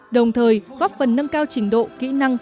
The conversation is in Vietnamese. đồng thời góp phần nâng cao trình độ kỹ năng